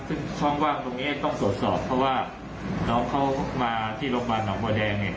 ซึ่งช่องว่างตรงนี้ต้องตรวจสอบเพราะว่าน้องเขามาที่โรงพยาบาลหนองบัวแดงเนี่ย